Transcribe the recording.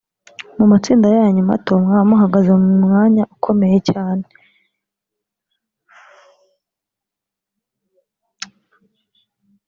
mu matsinda yanyu mato mwaba muhagaze mu mwanya ukomeye cyane